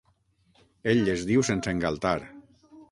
Ell les diu sense engaltar.